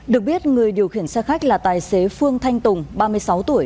được biết người điều khiển xe khách là tài xế phương thanh tùng ba mươi sáu tuổi